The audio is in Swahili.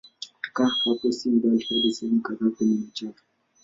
Kutoka hapo si mbali hadi sehemu kadhaa penye michoro.